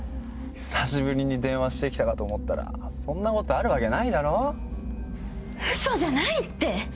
久しぶりに電話してきたかと思ったらそんなことあるわけないだろウソじゃないって！